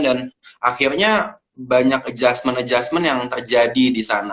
dan akhirnya banyak adjustment adjustment yang terjadi di sana